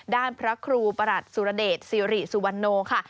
ด้านพระครูปรัศน์สุรเดชสิริสุวรรณโงค่ะ